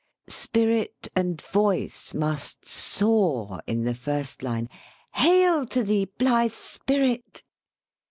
Spirit and voice must soar in the first line, "Hail to thee, blithe Spirit